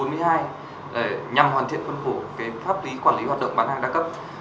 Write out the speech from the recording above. nhằm hoàn thiện phân phủ cái pháp lý quản lý hoạt động bán hàng đa cấp